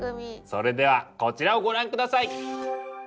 それではこちらをご覧下さい。